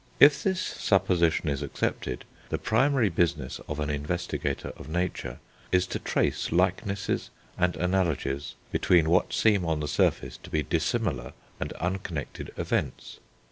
If this supposition is accepted, the primary business of an investigator of nature is to trace likenesses and analogies between what seem on the surface to be dissimilar and unconnected events.